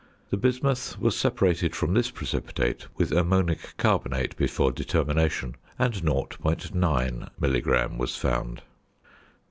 The bismuth was separated from this precipitate with ammonic carbonate before determination, and 0.9 milligram was found.